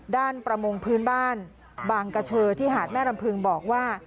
ประมงพื้นบ้านบางกระเชอที่หาดแม่รำพึงบอกว่า